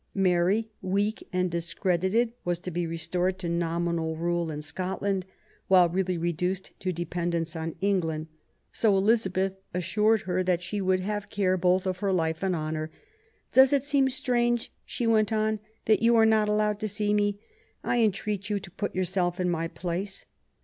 Mary, weak and discredited, was to be restored to nominal rule in Scotland, while really reduced to dependence on England. So Elizabeth assured her that she would " have care both of her life and honour". Does it seem strange," she went on, " that you are not allowed to see me ? I entreat you to put yourself in my place.